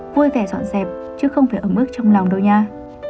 vui vẻ dọn dẹp chứ không phải ấm ước trong lòng đâu nha